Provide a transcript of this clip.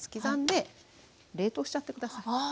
刻んで冷凍しちゃって下さい。